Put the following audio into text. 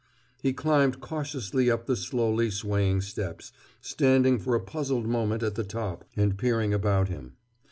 He climbed cautiously up the slowly swaying steps, standing for a puzzled moment at the top and peering about him.